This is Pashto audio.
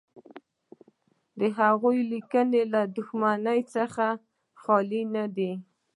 د هغوی لیکنې له دښمنۍ څخه خالي نه دي.